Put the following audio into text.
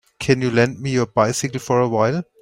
Can you lend me your bycicle for a while.